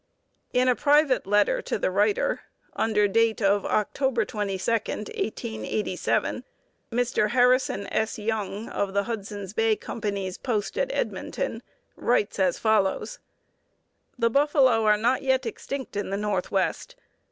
In a private letter to the writer, under date of October 22, 1887, Mr. Harrison S. Young, of the Hudson's Bay Company's post at Edmonton, writes as follows: "The buffalo are not yet extinct in the Northwest.